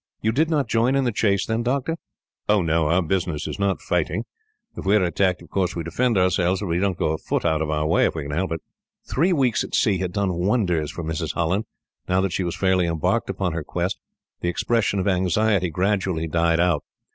"You did not join in the chase then, doctor?" "Oh, no. Our business is not fighting. If we are attacked, of course we defend ourselves; but we don't go a foot out of our way, if we can help it." Three weeks at sea had done wonders for Mrs. Holland. Now that she was fairly embarked upon her quest, the expression of anxiety gradually died out.